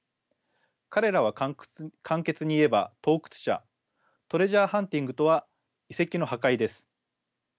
彼らは簡潔に言えば盗掘者トレジャーハンティングとは遺跡の破壊です。